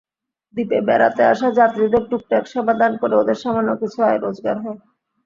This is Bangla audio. দ্বীপে বেড়াতে আসা যাত্রীদের টুকটাক সেবাদান করে ওদের সামান্য কিছু আয়-রোজগার হয়।